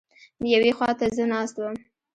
یوې خوا ته زه ناست وم.